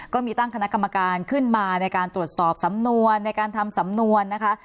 ก็มีตั้งคณะกรรมการขึ้นมาในการตรวจสอบสำนวนในการทำสำนวนนะคะ